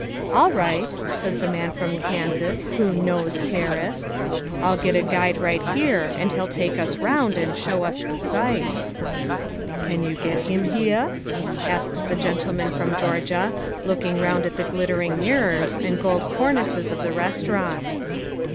"All right," says the Man from Kansas who "knows" Paris, "I'll get a guide right here, and he'll take us round and show us the sights." "Can you get him heah?" asks the gentleman from Georgia, looking round at the glittering mirrors and gold cornices of the restaurant.